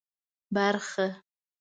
برخه